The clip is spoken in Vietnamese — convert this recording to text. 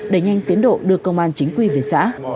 để nhanh tiến độ được công an chính quy về xã